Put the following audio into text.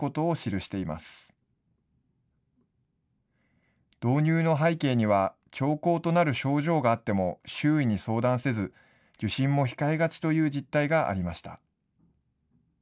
導入の背景には兆候となる症状があっても周囲に相談せず、受診も控えがちという実態がありました。